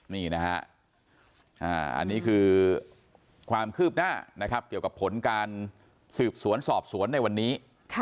นี่นะฮะอันนี้คือความคืบหน้านะครับเกี่ยวกับผลการสืบสวนสอบสวนในวันนี้